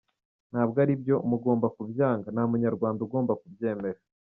Ntabwo aribyo, mugomba kubyanga… Nta Munyarwanda ugomba kubyemera.